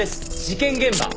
事件現場。